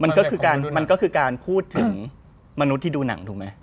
มันก็คือการมันก็คือการพูดถึงมนุษย์ที่ดูหนังถูกไหม